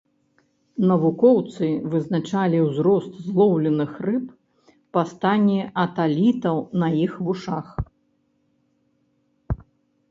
Навукоўцы вызначалі ўзрост злоўленых рыб па стане аталітаў на іх вушах.